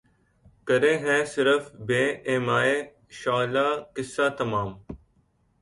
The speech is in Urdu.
کرے ہے صِرف بہ ایمائے شعلہ قصہ تمام